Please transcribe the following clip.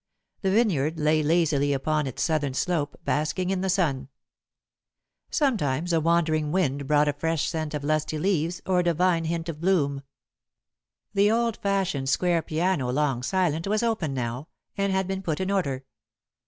The vineyard lay lazily upon its southern slope, basking in the sun. Sometimes a wandering wind brought a fresh scent of lusty leaves or a divine hint of bloom. [Sidenote: Alden's Feast] The old fashioned square piano, long silent, was open now, and had been put in order.